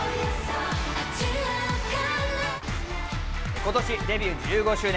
今年デビュー１５周年。